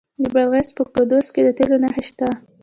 د بادغیس په قادس کې د تیلو نښې شته.